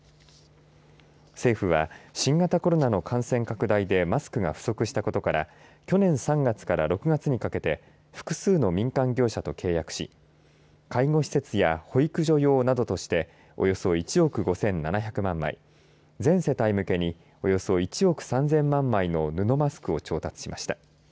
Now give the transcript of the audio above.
政府は、新型コロナの感染拡大でマスクが不足したことから去年３月から６月にかけて複数の民間業者と契約し介護施設や保育所用などとしておよそ１億５７００万枚全世帯向けにおよそ１億３０００万枚の布マスクを調達しました。